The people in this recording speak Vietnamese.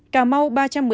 cà mau ba trăm một mươi tám